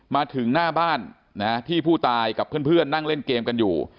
มาถึงหน้าบ้านที่ผู้ตายกับเพื่อนนั่งเล่นเกมกันอยู่